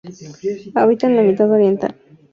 Habita en la mitad oriental de Australia y Tasmania.